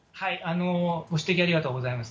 ご指摘ありがとうございます。